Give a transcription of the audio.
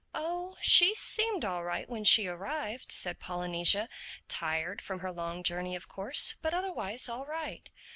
"Oh, she seemed all right when she arrived," said Polynesia—"tired from her long journey of course but otherwise all right.